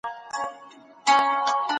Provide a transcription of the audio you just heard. بهرنی سیاست اساسي ځای لري.